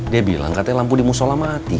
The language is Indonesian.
dia bilang katanya lampu di musola mati